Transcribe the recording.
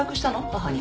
母に。